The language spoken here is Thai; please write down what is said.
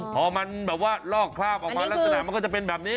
พอมันแบบว่าลอกคราบออกมาลักษณะมันก็จะเป็นแบบนี้